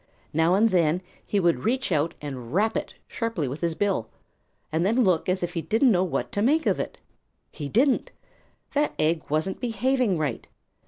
Now and then he would reach out and rap it sharply with his bill, and then look as if he didn't know what to make of it. He didn't. That egg wasn't behaving right.